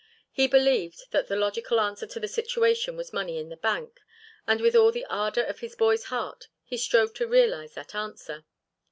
He believed that the logical answer to the situation was money in the bank and with all the ardour of his boy's heart he strove to realise that answer.